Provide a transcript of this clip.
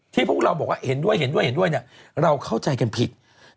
ที่พวกเราบอกว่าเห็นด้วยเราเข้าใจกันผิด